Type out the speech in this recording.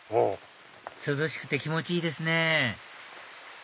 涼しくて気持ちいいですね